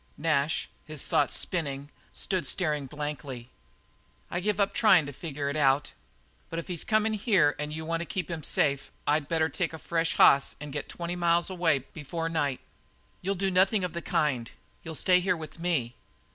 Nash, his thoughts spinning, stood staring blankly. "I give up tryin' to figure it out; but if he's comin' here and you want to keep him safe I'd better take a fresh hoss and get twenty miles away before night." "You'll do nothing of the kind; you'll stay here with me."